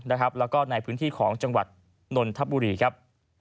แล้วก็ในพื้นที่ของจังหวัดนนทบุรีครับ